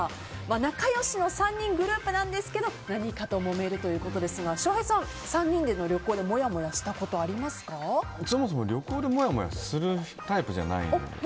仲良しの３人グループですけど何かともめるということですが翔平さん、３人での旅行でそもそも旅行でもやもやするタイプじゃないのよ。